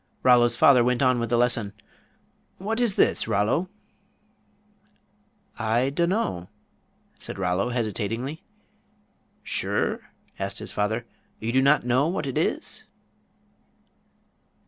Rollo's father went on with the lesson: "What is this, Rollo?" "I dunno," said Rollo, hesitatingly. "Sure?" asked his father. "You do not know what it is?"